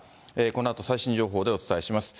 このあと、最新情報でお伝えします。